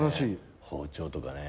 包丁とかね。